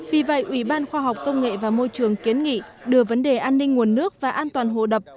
vì vậy ủy ban khoa học công nghệ và môi trường kiến nghị đưa vấn đề an ninh nguồn nước và an toàn hồ đập